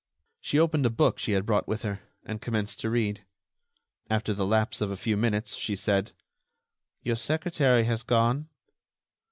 She opened a book she had brought with her, and commenced to read. After the lapse of a few minutes she said: "Your secretary has gone."